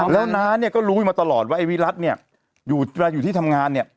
แล้วน้าเนี่ยก็รู้อยู่มาตลอดว่าไอ้วิรัติเนี่ยอยู่ที่ทำงานเนี่ย